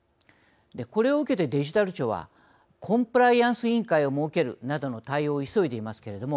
これを受けてデジタル庁はコンプライアンス委員会を設けるなどの対応を急いでいますけれども。